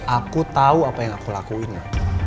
aku tahu apa yang aku lakuin ma